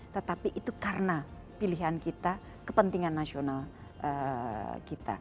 tetapi itu karena pilihan kita kepentingan nasional kita